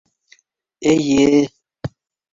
Эйе...